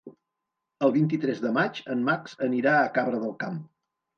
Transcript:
El vint-i-tres de maig en Max anirà a Cabra del Camp.